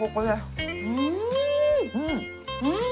うん！